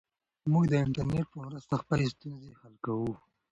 موږ د انټرنیټ په مرسته خپلې ستونزې حل کوو.